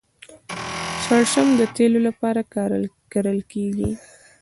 شړشم د تیلو لپاره کرل کیږي.